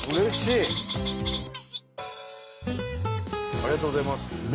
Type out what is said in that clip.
ありがとうございます。